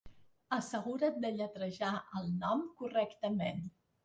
Assegura't de lletrejar el nom correctament.